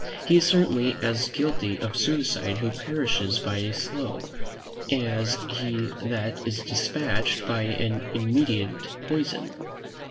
He is certainly as guilty of suicide who perishes by a slow, as he that is despatched by an immediate, poison.